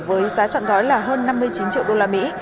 với giá trọn gói là hơn năm mươi chín triệu đô la mỹ